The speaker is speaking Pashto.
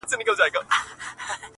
زه وايم راسه شعر به وليكو؛